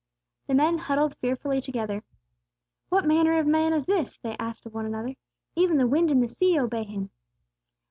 The men huddled fearfully together. "What manner of man is this?" they asked, one of another. "Even the wind and the sea obey Him!"